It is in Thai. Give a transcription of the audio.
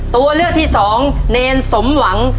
ตัวเลือกที่สองเนรสมหวัง